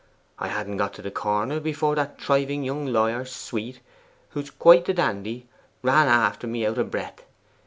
I hadn't got to the corner before that thriving young lawyer, Sweet, who's quite the dandy, ran after me out of breath.